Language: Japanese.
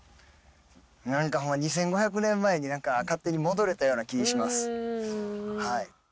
何か２５００年前に勝手に戻れたような気ぃしますはい。